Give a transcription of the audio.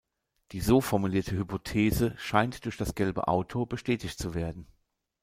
Die so formulierte Hypothese scheint durch das gelbe Auto bestätigt zu werden.